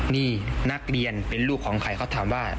นี่นักเรียนเป็นลูกของใครเขาถามว่า